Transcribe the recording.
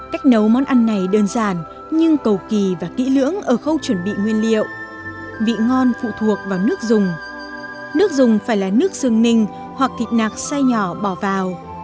cách nấu món ăn này đơn giản nhưng cầu kỳ và kỹ lưỡng ở khâu chuẩn bị nguyên liệu vị ngon phụ thuộc vào nước dùng nước dùng phải là nước sương ninh hoặc thịt nạc sai nhỏ bỏ vào